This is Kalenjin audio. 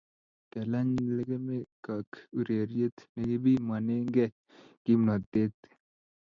Kelany lekemeeko urerie ne kipimonekei kimnotee.